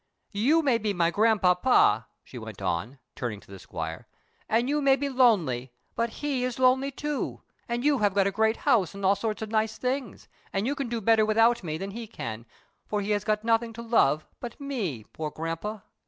"You may be my grandpapa," she went on, turning to the squire, "and you may be lonely, but he is lonely too, and you have got a great house and all sorts of nice things, and you can do better without me than he can, for he has got nothing to love but me, poor grampa!"